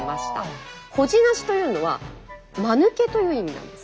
「ほじなし」というのは「マヌケ」という意味なんです。